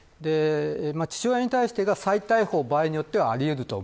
父親に対して再逮捕場合によってはあり得ます。